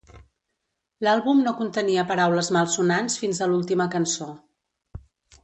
L'àlbum no contenia paraules malsonants fins a l'última cançó.